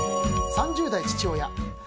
３０代父親。